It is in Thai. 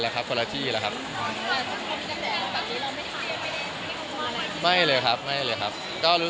ก็เผื่อเพราะเขาชอบแซว